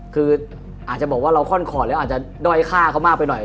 คืออาจจะบอกว่าเราค่อนขอดแล้วอาจจะด้อยค่าเขามากไปหน่อย